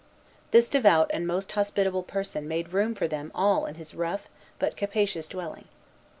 This devout and most hospitable person made room for them all in his rough, but capacious dwelling.